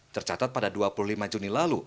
tercatat pada dua puluh lima juni lalu